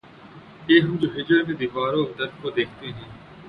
یہ ہم جو ہجر میں‘ دیوار و در کو دیکھتے ہیں